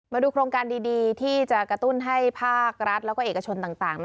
มาดูโครงการดีที่จะกระตุ้นให้ภาครัฐแล้วก็เอกชนต่าง